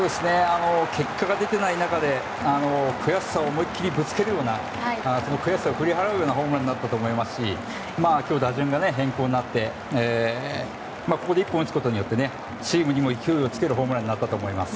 結果が出ていない中で悔しさを思い切りぶつけるようなその悔しさを取り払うようなホームランになったと思いますし今日、打順が変更になってここで一本打つことによってチームに勢いをつけるホームランになったと思います。